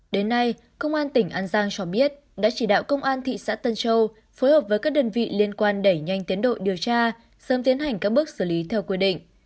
đến nay công an tỉnh an giang cho biết đã chỉ đạo công an thị xã tân châu phối hợp với các đơn vị liên quan đẩy nhanh tiến độ điều tra sớm tiến hành các bước xử lý theo quy định